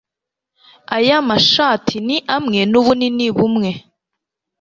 aya mashati ni amwe nubunini bumwe